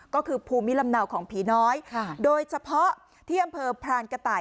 ก็คือภูมิลำเนาของผีน้อยโดยเฉพาะที่อำเภอพรานกระต่าย